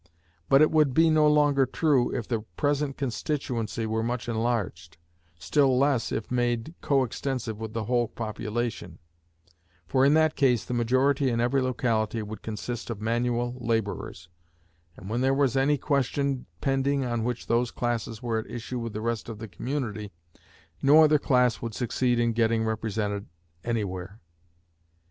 But it would be no longer true if the present constituency were much enlarged, still less if made co extensive with the whole population; for in that case the majority in every locality would consist of manual laborers; and when there was any question pending on which these classes were at issue with the rest of the community, no other class could succeed in getting represented any where.